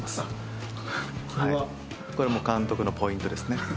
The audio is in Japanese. ・これは？これはもう監督のポイントですね